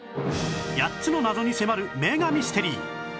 ８つの謎に迫る名画ミステリー